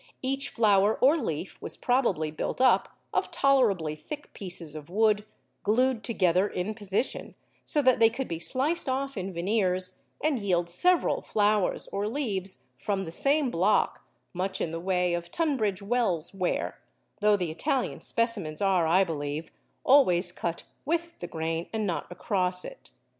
Each flower or leaf was probably built up of tolerably thick pieces of wood glued together in position, so that they could be sliced off in veneers and yield several flowers or leaves from the same block, much in the way of Tunbridge Wells ware, though the Italian specimens are, I believe, always cut with the grain and not across it.